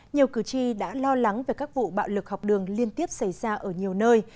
nhiều cử tri đã lo lắng về các vụ bạo lực học đường liên tiếp xảy ra ở nhiều nơi